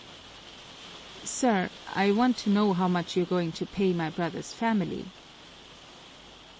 "Sir, I want to know how much you're going to pay my brother's family."